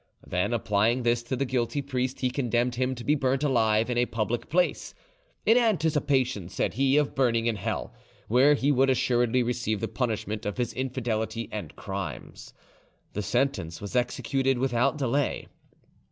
Then, applying this to the guilty priest, he condemned him to be burnt alive in a public place;—in anticipation, said he, of burning in hell, where he would assuredly receive the punishment of his infidelity and crimes. The sentence was executed without delay.